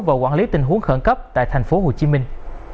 và quản lý tình huống khẩn cấp tại thành phố hồ chí minh